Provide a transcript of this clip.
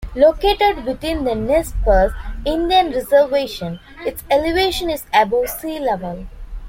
Located within the Nez Perce Indian Reservation, its elevation is above sea level.